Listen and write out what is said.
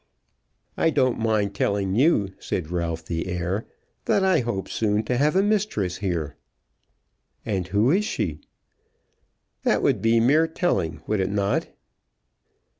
"I don't mind telling you," said Ralph the heir, "that I hope soon to have a mistress here." "And who is she?" "That would be mere telling; would it not?"